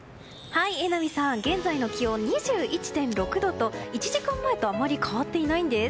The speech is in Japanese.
現在の気温、２１．６度と１時間前とあまり変わっていないんです。